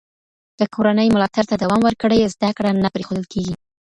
که کورنۍ ملاتړ ته دوام ورکړي، زده کړه نه پرېښودل کېږي.